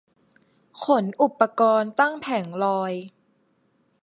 ขนอุปกรณ์ตั้งแผงลอย